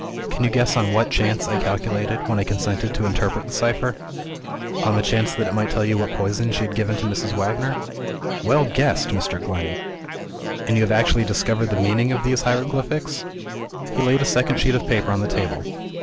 Can you guess on what chance I calculated, when I consented to interpret the cipher?" "On the chance that it might tell you what poison she had given to Mrs. Wagner?" "Well guessed, Mr. Glenney!" "And you have actually discovered the meaning of these hieroglyphics?" He laid a second sheet of paper on the table.